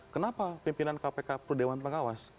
kenapa pimpinan kpk perudewaan pengawas